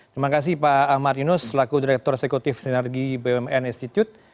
terima kasih pak ahmad yunus selaku direktur eksekutif sinergi bumn institute